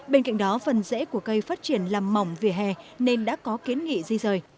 bên cạnh đó phần rễ của cây phát triển làm mỏng về hè nên đã có kiến nghị di rời